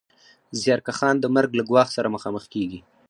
زیارکښان د مرګ له ګواښ سره مخامخ کېږي